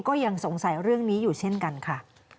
ก็ยังสงสัยเรื่องนี้อยู่เช่นกันค่ะ